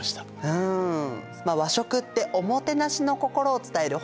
うん和食っておもてなしの心を伝える